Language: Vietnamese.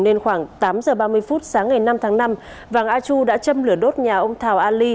nên khoảng tám h ba mươi phút sáng ngày năm tháng năm vàng a chu đã châm lửa đốt nhà ông thảo a ly